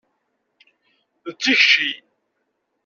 D tikci.